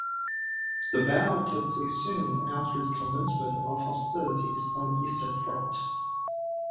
The battle took place soon after the commencement of hostilities on the Eastern Front.